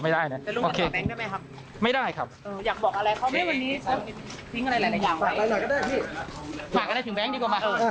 แบงค์แบงค์แบงค์แบงค์